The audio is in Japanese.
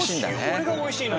これがおいしいの。